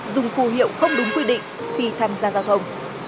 dùng phù hiệu không đúng quy định khi tham gia giao thông